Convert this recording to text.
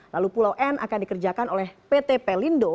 lalu pulau n akan dikerjakan oleh pt pelindo